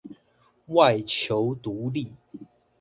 外求獨立